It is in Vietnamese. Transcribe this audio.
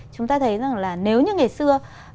chúng ta thấy rằng là nếu như ngày xưa